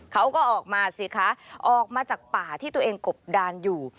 เขาก็ออกมาสิคะออกมาจากป่าที่ตัวเองกบดานอยู่